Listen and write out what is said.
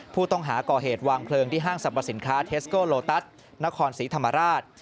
ผู้ต้องหาก่อเหตุวางเพลิงที่ห้างสรรพสินค้าเทสโกโลตัสนครศรีธรรมราช